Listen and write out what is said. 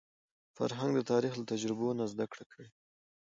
فرهنګ د تاریخ له تجربو نه زده کړه کوي.